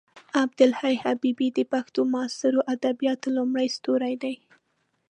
عبدالحی حبیبي د پښتو معاصرو ادبیاتو لومړی ستوری دی.